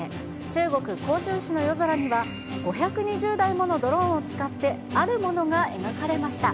中国・広州市の夜空には、５２０台ものドローンを使って、あるものが描かれました。